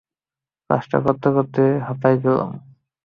কাজ করতে করতে হাঁপায় গেলুম।